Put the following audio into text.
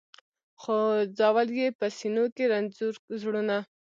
خو ځول یې په سینو کي رنځور زړونه